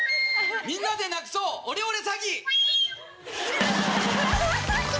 みんなでなくそうオレオレ詐欺！